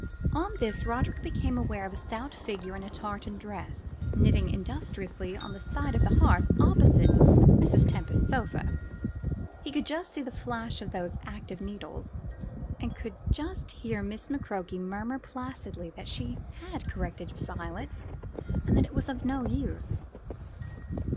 On this Roderick became aware of a stout figure in a tartan dress, knitting industriously on the side of the hearth opposite Mrs. Tempest's sofa. He could just see the flash of those active needles, and could just hear Miss McCroke murmur placidly that she had corrected Violet, and that it was no use.